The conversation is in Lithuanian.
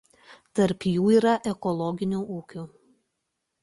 Tarp jų yra ir ekologinių ūkių.